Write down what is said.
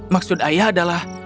maksud ayah adalah